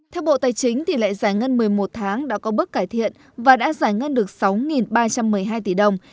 theo bộ tài chính tỷ lệ giải ngân một mươi một tháng đã có bước cải thiện và đã giải ngân được sáu ba trăm một mươi hai tỷ đồng